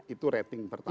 itu rating pertama